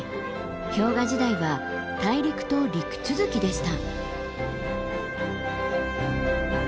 氷河時代は大陸と陸続きでした。